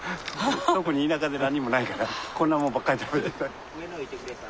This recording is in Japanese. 特に田舎で何もないからこんなもんばっかり食べてた。